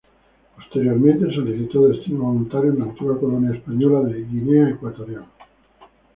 Posteriormente, solicitó destino voluntario en la antigua colonia española de Guinea Ecuatorial.